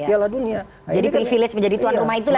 jadi privilege menjadi tuan rumah itu